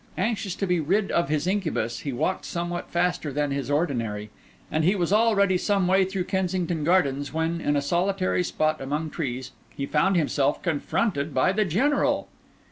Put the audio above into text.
Anxious to be rid of his incubus, he walked somewhat faster than his ordinary, and he was already some way through Kensington Gardens when, in a solitary spot among trees, he found himself confronted by the General.